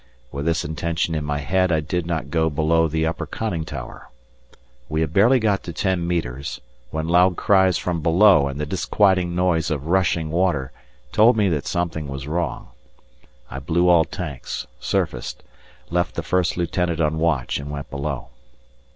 With this intention in my head, I did not go below the upper conning tower. We had barely got to ten metres, when loud cries from below and the disquieting noise of rushing water told me that something was wrong. I blew all tanks, surfaced, left the First Lieutenant on watch and went below.